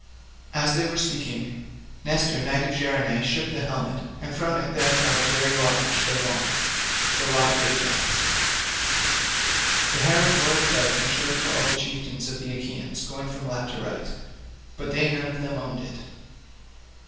As they were speaking, Nestor knight of Gerene shook the helmet, and from it there fell the very lot which they wanted—the lot of Ajax. The herald bore it about and showed it to all the chieftains of the Achaeans, going from left to right; but they none of them owned it.